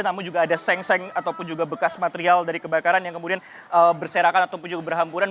namun juga ada seng seng ataupun juga bekas material dari kebakaran yang kemudian berserakan ataupun juga berhamburan